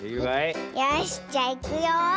よしじゃいくよ。